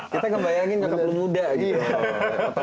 kita ngebayangin ketemu muda gitu